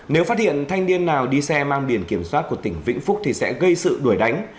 nếu phát hiện thanh niên nào đi xe mang biển kiểm soát của tỉnh vĩnh phúc thì sẽ gây sự đuổi đánh